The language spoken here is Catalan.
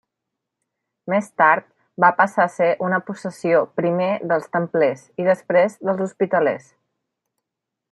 Més tard va passar a ser una possessió primer dels Templers i després dels hospitalers.